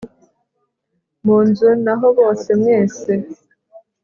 munzu naho bose mwese